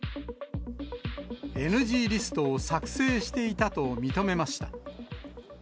ＮＧリストを作成していたと認めました。